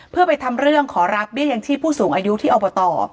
เพื่อไปทำเรื่องขอรับเบี้ยยังชีพผู้สูงอายุที่อบต